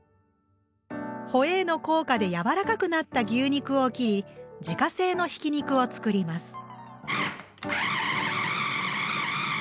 ホエーの効果でやわらかくなった牛肉を切り自家製のひき肉を作ります。